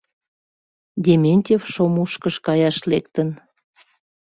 Дементьев Шомушкыш каяш лектын.